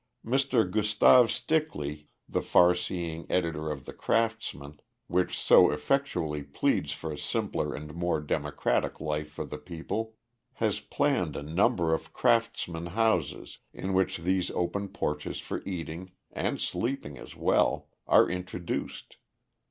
Mr. Gustav Stickley, the far seeing editor of The Craftsman, which so effectually pleads for a simpler and more democratic life for the people, has planned a number of Craftsman houses in which these open porches for eating, and sleeping as well, are introduced.